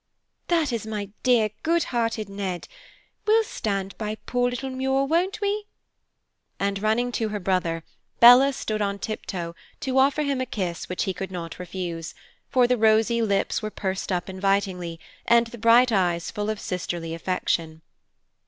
"That is my dear, good hearted Ned! We'll stand by poor little Muir, won't we?" And running to her brother, Bella stood on tiptoe to offer him a kiss which he could not refuse, for the rosy lips were pursed up invitingly, and the bright eyes full of sisterly affection.